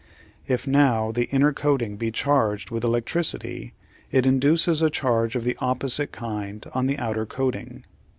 If now the inner coating be charged with electricity it induces a charge of the opposite kind on the outer coating.